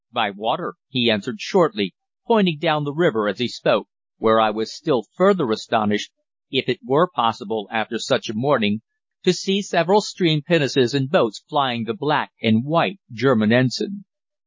"'By water,' he answered shortly, pointing down the river as he spoke, where I was still further astonished if it were possible after such a morning to see several steam pinnaces and boats flying the black and white German ensign.